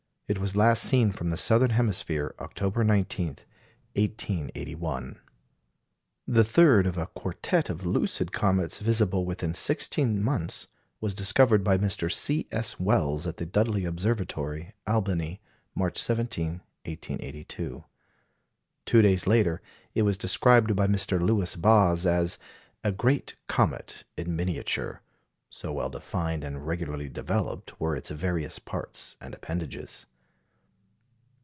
It was last seen from the southern hemisphere, October 19, 1881. The third of a quartette of lucid comets visible within sixteen months, was discovered by Mr. C. S. Wells at the Dudley Observatory, Albany, March 17, 1882. Two days later it was described by Mr. Lewis Boss as "a great comet in miniature," so well defined and regularly developed were its various parts and appendages.